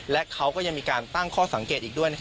และเขาก็ยังมีการตั้งข้อสังเกตอีกด้วย